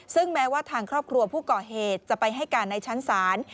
ซึ่งแม้ว่าทางครอบครัวผู้ก่อเหตุจะไปให้การในชั้นศาล